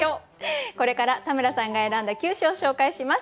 これから田村さんが選んだ９首を紹介します。